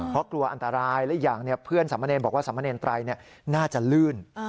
เพราะกลัวอันตรายและอีกอย่างเพื่อนสามเณรบอกว่าสามเณรไตรน่าจะลื่น